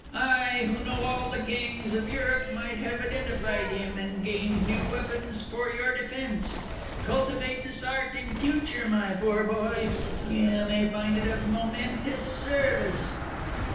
I, who know all the gangs of Europe, might have identified him, and gained new weapons for your defence. Cultivate this art in future, my poor boy; you may find it of momentous service."